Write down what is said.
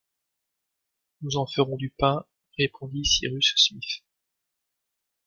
Nous en ferons du pain, répondit Cyrus Smith.